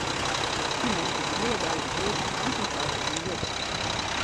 Dy man is de hiele dei fan hús en syn frou hat gjin wurk.